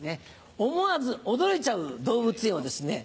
思わず驚いちゃう動物園をですね